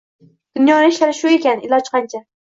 Dunyoning ishlari shu ekan, iloj qancha?